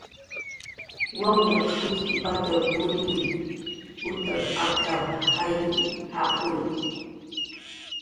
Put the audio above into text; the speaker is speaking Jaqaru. "Wawyaq wijtxkipatxaw puriw utan aptz'ap"" jayw jaquwi"